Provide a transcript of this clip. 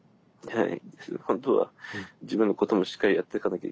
はい。